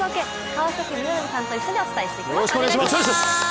川崎宗則さんと一緒にお伝えしていきます。